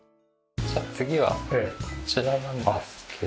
じゃあ次はこちらなんですけど。